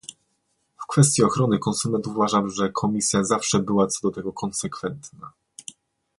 W kwestii ochrony konsumentów uważam, że Komisja zawsze była co do tego konsekwentna